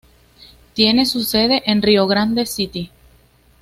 Tiene su sede en Rio Grande City.